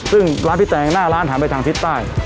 ซึ่งร้านพี่แตงหน้าร้านหันไปทางทิศใต้